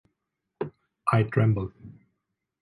I tremble.